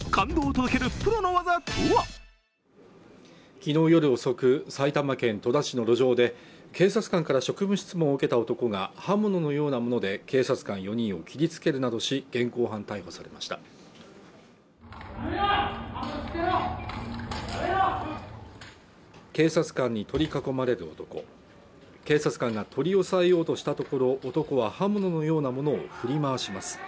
昨日夜遅く埼玉県戸田市の路上で警察官から職務質問を受けた男が刃物のようなもので警察官４人を切りつけるなどし現行犯逮捕されました警察官に取り囲まれる男警察官が取り押さえようとしたところ男は刃物のようなものを振り回します